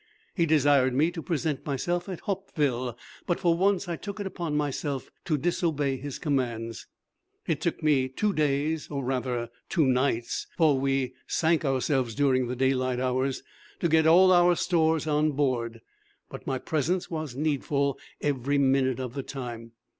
He desired me to present myself at Hauptville, but for once I took it upon myself to disobey his commands. It took me two days or rather two nights, for we sank ourselves during the daylight hours to get all our stores on board, but my presence was needful every minute of the time.